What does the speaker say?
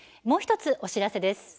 もう１つ、お知らせです。